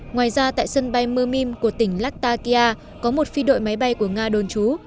ngoài ra tại sân bay mermim của tỉnh latakia có một phi đội máy bay của nga đồn trú